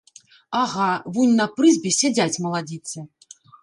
Ага, вунь на прызбе сядзяць маладзіцы.